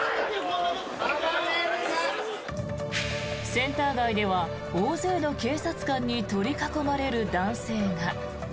センター街では大勢の警察官に取り囲まれる男性が。